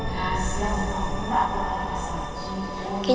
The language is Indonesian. gak siang gak berasa cinta